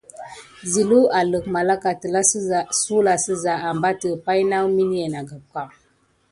Zilelou alik malaka tila zula sisa aɓeti pay na munilin.